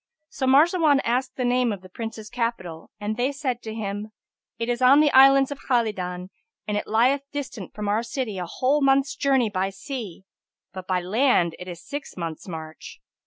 So Marzawan asked the name of the Prince's capital and they said to him, "It is on the Islands of Khalidan and it lieth distant from our city a whole month's journey by sea, but by land it is six months' march."